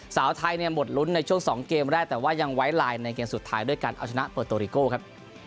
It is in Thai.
สาวไทยเนี่ยหมดลุ้นในช่วง๒เกมแรกแต่ว่ายังไว้ไลน์ในเกมสุดท้ายด้วยการเอาชนะเปิดโตริโก้ครับ